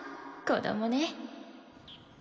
子どもね。